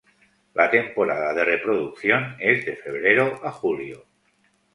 La temporada de reproducción es de febrero a julio.